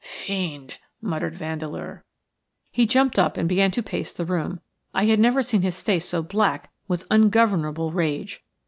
"Fiend!" muttered Vandeleur. He jumped up and began to pace the room. I had never seen his face so black with ungovernable rage.